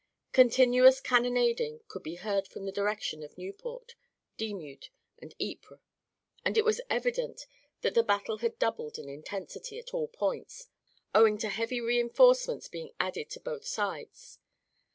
Continuous cannonading could be heard from the direction of Nieuport, Dixmude and Ypres, and it was evident that the battle had doubled in intensity at all points, owing to heavy reinforcements being added to both sides.